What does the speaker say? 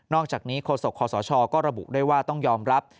อกจากนี้โฆษกคศก็ระบุด้วยว่าต้องยอมรับ